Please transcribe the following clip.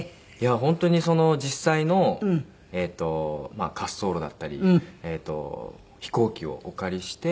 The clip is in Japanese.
本当に実際のまあ滑走路だったり飛行機をお借りして。